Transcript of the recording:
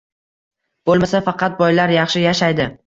Bo‘lmasa faqat boylar yaxshi yashaydi